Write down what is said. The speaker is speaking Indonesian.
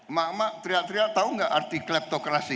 emak emak teriak teriak tahu tidak arti kleptokrasi